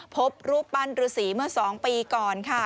พบรูปปั้นฤษีเมื่อ๒ปีก่อนค่ะ